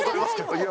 いや。